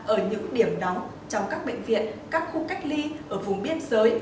ở những điểm nóng trong các bệnh viện các khu cách ly ở vùng biên giới